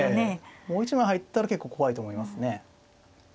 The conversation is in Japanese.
もう一枚入ったら結構怖いと思いますね。